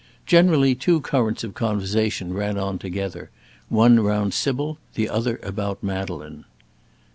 Generally two currents of conversation ran on together one round Sybil, the other about Madeleine.